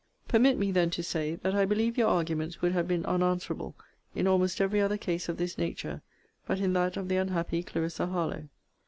Permit me, then, to say, That I believe your arguments would have been unanswerable in almost every other case of this nature, but in that of the unhappy Clarissa Harlowe.